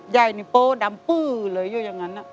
ใยนิโปรดดำปื้อเลยอยู่อย่างนั้น